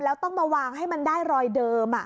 แล้วต้องมาวางให้มันได้รอยเดิม